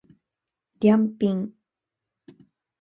りゃんぴん